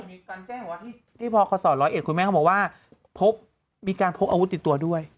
มีการแจ้งว่าที่พคศร้อยเอ็ดคุณแม่เขาบอกว่าพบมีการพกอาวุธติดตัวด้วย